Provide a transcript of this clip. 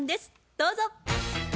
どうぞ。